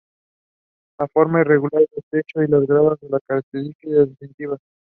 La forma irregular del techo y las gradas son características distintivas.